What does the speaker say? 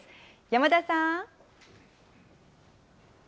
山田さん。